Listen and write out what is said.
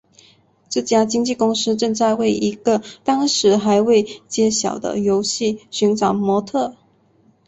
这家经纪公司正在为一个当时还未揭晓的游戏寻找模特儿。